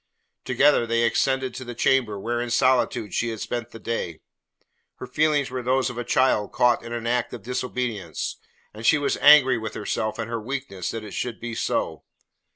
Together they ascended to the chamber where in solitude she had spent the day. Her feelings were those of a child caught in an act of disobedience, and she was angry with herself and her weakness that it should be so.